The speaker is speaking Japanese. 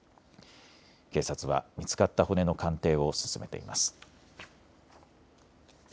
警察は見つかった骨の鑑定を進めています。